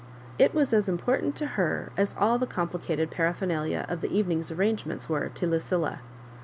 It was as important to her as all the complicated paraphernalia of the evening's arrangements were to LuciUa.